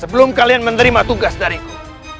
sebelum kalian menerima tugas dariku